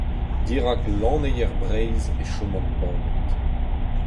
Dirak lanneier Breizh e choman bamet.